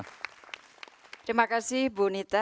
terima kasih bu nita